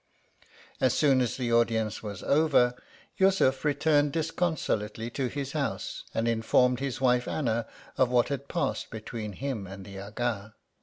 As soon as the audience was over, Yussuf returned disconsolately to his house, and informed his wife Anna of what had passed between him and the Aga.